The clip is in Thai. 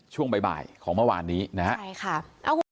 ช่วงบ่ายบ่ายของเมื่อวานนี้นะครับ